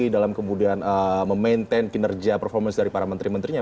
dalam kemudian memaintain kinerja performance dari para menteri menterinya